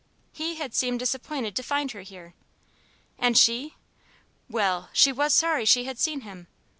"He" had seemed disappointed to find her here. And she ? Well! she was sorry she had seen him.